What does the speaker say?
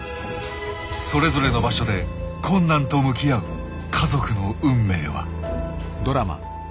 それぞれの場所で困難と向き合う家族の運命は。